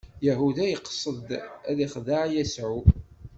Yahuda yeqsed ad ixdeɛ Yasuɛ.